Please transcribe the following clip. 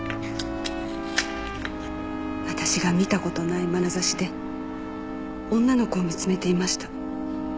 私が見た事ないまなざしで女の子を見つめていました。